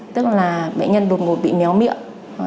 tức là bệnh nhân đột ngột bị méo miệng